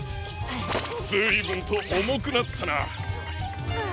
ずいぶんとおもくなったな。